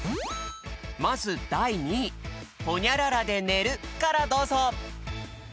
まずだい２位「ホニャララで寝る」からどうぞ！